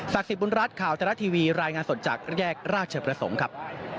สิทธิบุญรัฐข่าวทรัฐทีวีรายงานสดจากแยกราชประสงค์ครับ